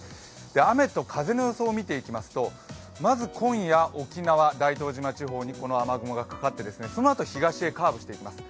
雨と風の予想を見ていきますとまず今夜、沖縄大東島地方にこの雨雲がかかってそのあと、東へカーブしていきます